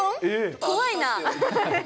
怖いな。